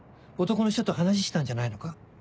男の人と話したんじゃないのか？